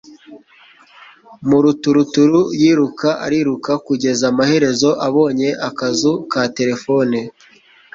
Maturuturu yiruka ariruka kugeza amaherezo abonye akazu ka terefone